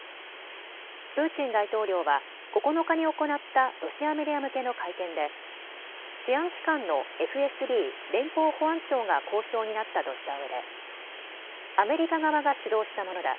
プーチン大統領は９日に行ったロシアメディア向けの会見で治安機関のＦＳＢ・連邦保安庁が交渉を担ったとしたうえでアメリカ側が主導したものだ。